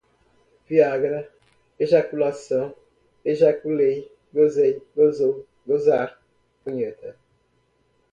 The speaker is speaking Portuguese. Viagra, ejaculação, ejaculei, gozei, gozou, gozar, punheta